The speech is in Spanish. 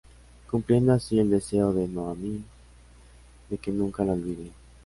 Cumpliendo así el deseo de Naomi de que nunca la olvide.